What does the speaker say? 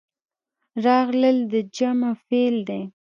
راغلل د جمع فعل دی.